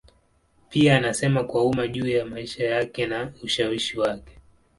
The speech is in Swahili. Pia anasema kwa umma juu ya maisha yake na ushawishi wake.